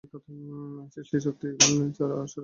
সৃষ্টিশক্তি ছাড়া ঈশ্বরের অপর শক্তিসমূহ জীবে সঞ্চারিত হয়।